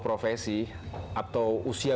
profesi atau usia